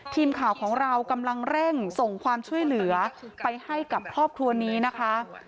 ทีมข่าวของเรากำลังเร่งส่งความช่วยเหลือไปให้กับครอบครัวนี้นะคะ